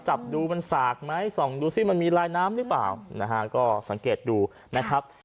จับดูมันสากไหมส่องดูสิมันมีลายน้ำหรือเปล่านะฮะก็สังเกตดูนะครับ